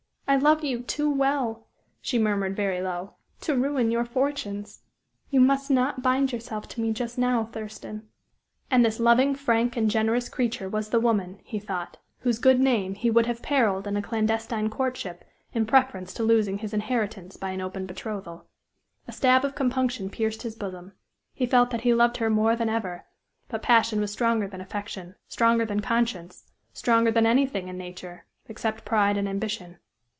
I love you too well," she murmured very low, "to ruin your fortunes. You must not bind yourself to me just now, Thurston." And this loving, frank and generous creature was the woman, he thought, whose good name he would have periled in a clandestine courtship in preference to losing his inheritance by an open betrothal. A stab of compunction pierced his bosom; he felt that he loved her more than ever, but passion was stronger than affection, stronger than conscience, stronger than anything in nature, except pride and ambition.